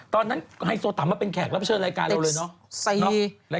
ตอนนั้นไฮโซตำก็เป็นแขกรับเชิญรายการเราเลยเนอะ